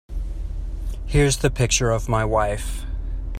Here's the picture of my wife.